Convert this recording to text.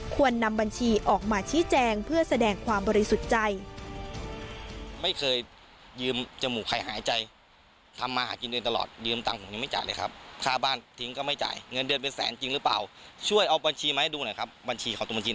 นำบัญชีออกมาชี้แจงเพื่อแสดงความบริสุทธิ์ใจ